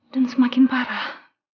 dan semakin parah